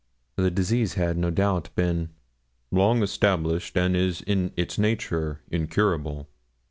The disease had, no doubt, been 'long established, and is in its nature incurable.'